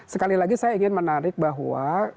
sekali lagi saya ingin menarik bahwa